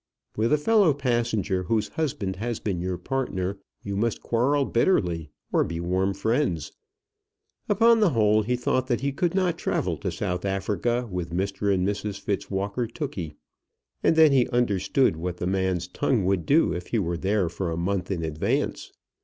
With a fellow passenger, whose husband has been your partner, you must quarrel bitterly or be warm friends. Upon the whole, he thought that he could not travel to South Africa with Mr and Mrs Fitzwalker Tookey. And then he understood what the man's tongue would do if he were there for a month in advance.